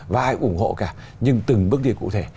và ai cũng ủng hộ cả nhưng từng bước đi cụ thể